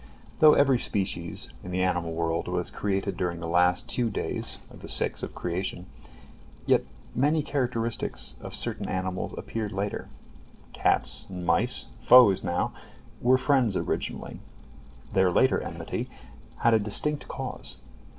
Though every species in the animal world was created during the last two days of the six of creation, yet many characteristics of certain animals appeared later. Cats and mice, foes now, were friends originally. Their later enmity had a distinct cause.